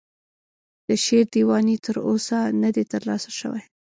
د شعر دیوان یې تر اوسه نه دی ترلاسه شوی.